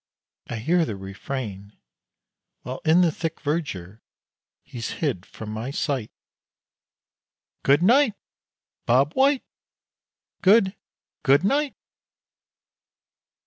I hear the refrain, While in the thick verdure he's hid from my sight: "Good night! Bob White! Good good night."